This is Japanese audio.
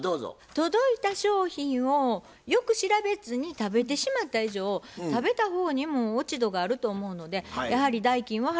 届いた商品をよく調べずに食べてしまった以上食べた方にも落ち度があると思うのでやはり代金は払う必要があると思います。